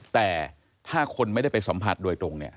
แต่ถ้าคนไม่ได้ไปสัมผัสโดยตรงเนี่ย